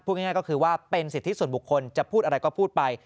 ง่ายก็คือว่าเป็นสิทธิส่วนบุคคลจะพูดอะไรก็พูดไป